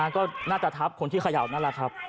ก็น่าจะทับคนที่เขย่านั่นแหละครับ